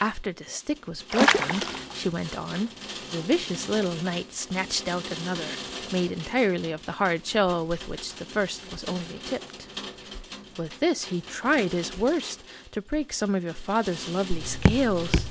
"After the stick was broken," she went on, "the vicious little knight snatched out another, made entirely of the hard shell with which the first was only tipped. With this he tried his worst to break some of your father's lovely scales.